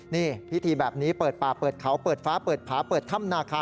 นี่พิธีแบบนี้เปิดป่าเปิดเขาเปิดฟ้าเปิดผาเปิดถ้ำนาคา